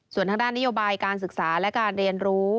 ส่วนทางด้านนโยบายการศึกษาและการเรียนรู้